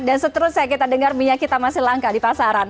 seterusnya kita dengar minyak kita masih langka di pasaran